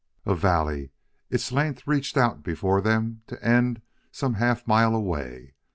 A valley. Its length reached out before them to end some half mile away.